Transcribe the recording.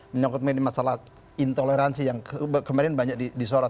menyangkut masalah intoleransi yang kemarin banyak disorot